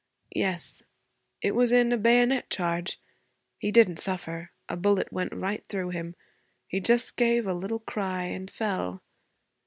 'Yes. It was in a bayonet charge. He didn't suffer. A bullet went right through him. He just gave a little cry and fell.'